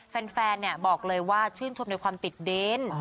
แฟนบอกเลยว่าชื่นชมในความติดเดน